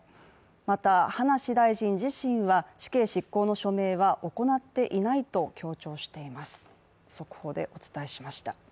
また、葉梨大臣自身は、死刑執行の署名は行っていないと強調しています。